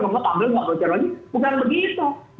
kemudian panggil nggak bocor lagi bukan begitu